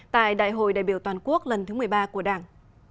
tại đại hội đại biểu toàn quốc lần thứ một mươi ba của đảng